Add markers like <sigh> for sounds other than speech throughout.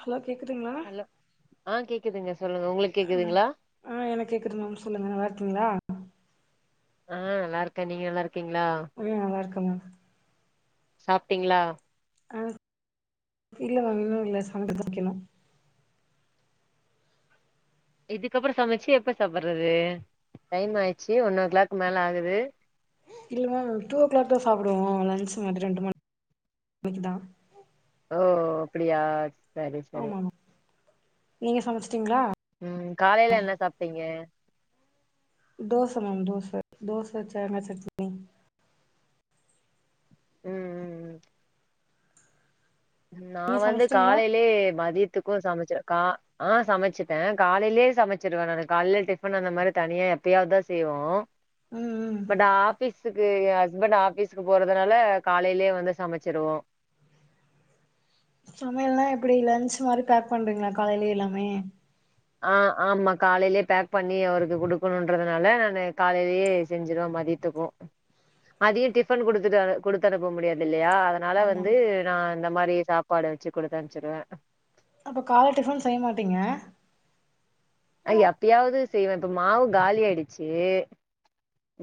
hello கேட்குதுங்களா hello ஆ கேக்குதுங்க சொல்லுங்க உங்களுக் ம் ஆ எனக் கேக்குது மேம் சொல்லுங்க நல்லா இருக்கீங்களா ஆ நல்லா இருக்க நீங்க நல்லா இருக்கீங்களா ஆ நல்லாருக்க மேம் சாப்ட்டீங்களா ஆ இல்ல மேம் இன்னு இல்ல <inaudible> சமைக்கணு இதுக்கப்புறோ சமைச்சு எப்ப சாப்புட்றது டைமாயிடுச்சு ஒன் ஓ கிளாக் மேலாகுது இல்ல மேம் டூ ஓ கிளாக் தா சாப்புடுவோ லன்ச் மட்டு தா ரெண்டு மணி <inaudible> மணிக்கி தா ஓ அப்டியா சரி சரி ஆமா ஆமா நீங்க சமைச்சுட்டீங்களா ம் காலையில என்ன சாப்பிட்டீங்க தோச மேம் தோச தோச தேங்கா சட்னி ம் ம் நா நீங்க வந்து சமச்சிட்டீங்களா காலையிலேயே மதியத்துக்கோ சமைச்சக்கா ஆ சமைச்சிட்ட காலையிலேயே சமைச்சிருவ நா காலையிலே டிஃபன் அந்த மாரி தனியா எப்பயாவதுதா செய்வோ ம் ம் பட்டு அப் ஃபீஸுக்கு ஹஸ்பண்ட்ட ஆஃபீஸ்கக்கு போறதுனால காலையிலேயே வந்து சமைச்சருவோ சமையல்லா எப்பிடி லன்ச்சு மாரி பேக் பண்றீங்களா காலையிலயே எல்லாமே ஆ ஆமா காலையிலயே பேக் பண்ணி அவருக்கு கொடுக்கணுன்றதுனால நா காலையிலேயே செஞ்சிருவ மதியத் த்துப்போ மதியோ டிஃபன் குடுத்துட்டு குடுத்து அனுப்ப முடியாதில்லையா அதனால ஆமா வந்து நா இந்த மாதிரி சாப்பாடு வச்சு குடுத்தனுச்சுருவ அப்ப கால டிஃபன் செய்ய மாட்டீங்க எ எப்பயாவது செய்வ இப்ப மாவு காலி ஆயிடுச்சு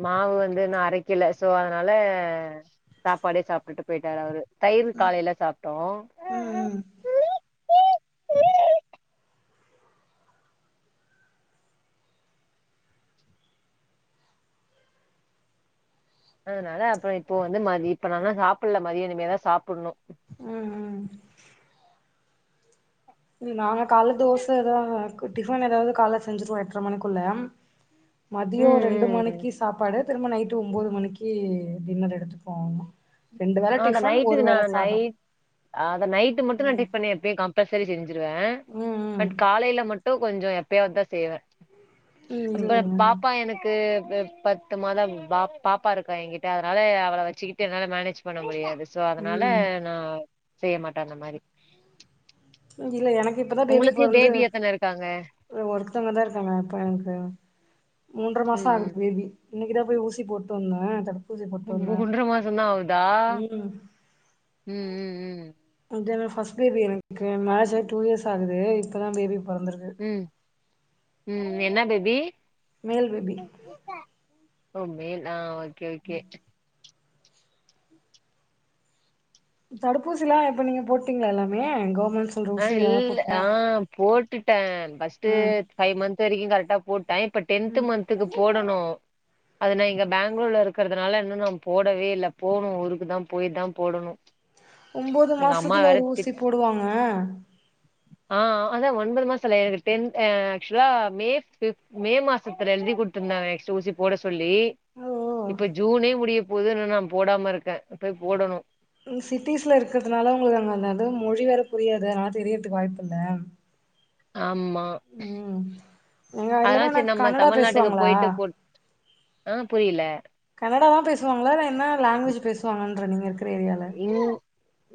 மாவு வந்து இன்னு அரைக்கல சோ அதனால சாப்பாடே சாப்பிட்டு போயிட்டரு அவரு தயிர் காலையில சாப்பிட்டோ ம் ம் அதனால அப்புறோ இப்போ வந்து மதிய இப்ப நா சாப்புல்ல மதியோ இனிமே தா சாப்புன்னு ம் ம் ம் நாங்க கால தோச ஏதாது க்கு டிபன் ஏதாவது கால்ல செஞ்சுருவோ எட்ர மணிக்குள்ள மதியோ ம் ரெண்டு ம் மணிக்கு சாப்பாடு திரும்ப நைட்டு ஒன்பது மணிக்கு டின்னர் எடுத்துப்போ ஆமா ஆ அந்த நைட்டுக்குனா நைட் அத நைட்டு மட்டு தா ம் டிப் பண்ணே எப்ப கா ப்ப சரி செஞ்சிருவ ம் பட் காலையில மட்டு கொஞ்சோ எப்பயாவது தா செய்வ ம் ம் ப்ப‌ இல்லங்க பாப்பா எனக்கு பத்து மாதோ பா பாப்பா இருக்கா எங்கிட்ட அதனால அவள வச்சுக்கிட்டு என்னால மேனேஜ் பண்ண முடியாது ஸோ அதனால ம் நா செய்ய மாட்ட அந்த மாரி இல்ல எனக்கு இப்பதா பேபி உங்களுக்கு பெறந்து பேபி எத்தன இருக்காங்க அ ஒருத்தவங்க தா இருக்காங்க எனக்கு மூன்ற மாசோ ம் ஆகுது பேபி இன்னைக்கிதா போய் ஊசி போட்டுவந்த ஒண்டர மாசோதா ஆவுதா ம் ம் ம் ம் <unintelligible> ஃபர்ஸ்ட் பேபி எனக்கு லாஸ்ட் டூ இயர்ஸ் ஆகுது இப்பதா பேபி பொறந்துருக்கு ம் ம் என்ன பேபி மேல் பேபி ஒ மேல் ஆ ஓகே ஓகே தடுப்பூசில்லா இப்ப நீங்க போட்டீங்களா எல்லாமே கவர்மெண்ட்ஸ் அ இல் ஆ போட்டுட்டே ஃபர்ஸ்ட்டு ஆ ஃபை மந்த் வரைக்கு கரெக்ட்டா போட்டே இப்ப டென்த் ம் மன்த்துக்கு போடணு அது நா இங்க பெங்களூர்ல இருக்கிறதுனால இன்னு நா போடவே இல்ல போணு ஊருக்கு தா போய் தா போடணு ஒம்போது எங்க அம்மா மாசத்துல வேற ஒரு திட் ஊசி போடுவாங்க ஆ அதா ஒன்பது மாச இல்ல எனக்கு டென் அ ஆக்சுவலா மே ஃபிஃப் மே மாசத்துல எழுதி குடுத்திருந்தாங்க நெக்ஸ்ட் ஊசி போட சொல்லி ஓ இப்ப ஜூனே முடியப் போது இன்னு நா போடாம இருக்கே போய் போடணு அங் சிட்டிஸ்ல இருக்கறதுனால உங்களுக்கு அங்க அந்தது மொழி வேற புரியாது அதனால தெரியர்துக்கு வாய்ப்பு இல்ல ஆம்மா ம் எங்க இல்லனா நா சரி நம்ம கன்னடா தமிழ்நாட்டுக்கு பேசுவாங்களா போயிட்டு போட் ஆ புரியல கன்னடா தா பேசுவாங்களா இல்லை என்ன லாங்குவேஜ் பேசுவாங்கன்ற நீங்க இருக்கிற ஏரியால இல்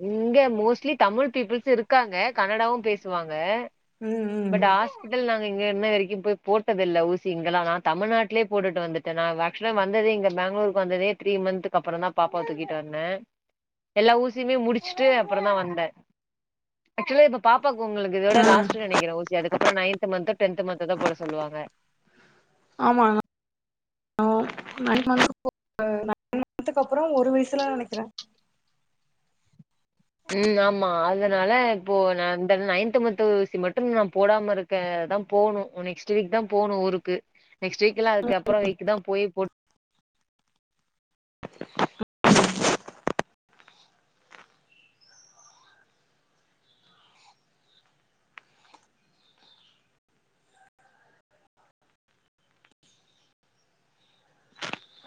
இங்க மோஸ்ட்லி தமிழ் பீப்பிள்ஸ் இருக்காங்க கன்னடாவு பேசுவாங்க ம் ம் பட் ஹாஸ் பிட்டல் நாங்க இங்க இன்ன வரைக்கு போய் போட்டதில்ல ஊசி இங்கல்லா நா தமிழ்நாட்லயே போட்டுட்டு வந்துட் டே நா ஆக்சுவலா வந்ததே இங்க பெங்களூருக்கு வந்ததே த்ரீ மந்துக்கு அப்புற தா பாப்பாவ தூக்கிட்டு வந்தே எல்லா ஊசியுமே முடிச்சுட்டு அப்புறந்தா வந்தே ஆக்சுவலா இப்ப பாப்பாக்கு உங்களுக்கு இதோட ஆ லாஸ்ட்டுனு நினைக்குறே ஊசி அதுக்கப்புற நைன்த்து மந்த்தோ டென்த் மந்த்தோ தா போட சொல்லுவாங்க ஆமா நா நைன் மன்த் <inaudible> நைன் மன்த்துக்கு அப்புற ஒரு வயசுல நினைக்கிறே ம் ஆமா அதனால இப்போ நா அந்த நைன்த்து மத்து ஊசி மட்டும் நா போடாம இருக் கே அதா போணு நெக்ஸ்ட் வீக் தா போணு ஊருக்கு நெக்ஸ்ட் வீக்ல அதுக்கப்புற வீக்கு தா போய் போட்